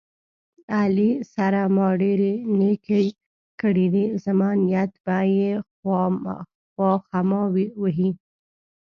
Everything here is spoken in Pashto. علي سره ما ډېرې نیکۍ کړې دي، زما نیت به یې خواخما وهي.